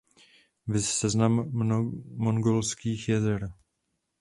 Viz Seznam mongolských jezer.